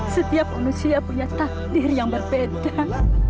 setiap manusia punya takdir yang berbeda